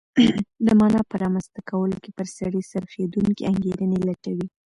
د مانا په رامنځته کولو کې پر سړي څرخېدونکې انګېرنې لټوي.